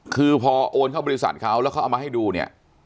คือพอโอนเข้าบริษัทเขาแล้วเขาเอามาให้ดูเนี่ย